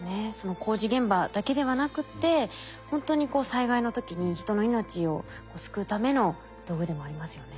工事現場だけではなくてほんとにこう災害の時に人の命を救うための道具でもありますよね。